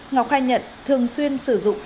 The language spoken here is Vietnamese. ngọc khai nhận thường xuyên sử dụng